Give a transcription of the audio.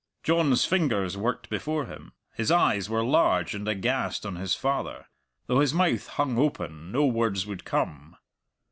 John's fingers worked before him; his eyes were large and aghast on his father; though his mouth hung open no words would come.